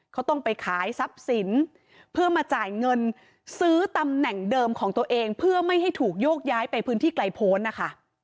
เขาต้องไปขายทรัพย์สินเพื่อมาจ่ายเงินซื้อตำแหน่งเดิมของตัวเองเพื่อไม่ให้ถูกโยกย้ายไปพื้นที่ไกลโพนนะคะ